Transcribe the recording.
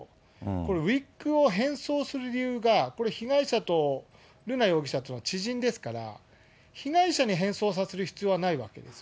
これ、ウイッグを変装する理由が、被害者と、瑠奈容疑者とは知人ですから、被害者に変装させる必要はないわけです。